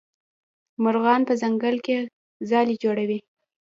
مرغان په ځنګل کې ځالې جوړوي.